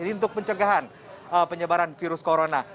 ini untuk pencegahan penyebaran virus corona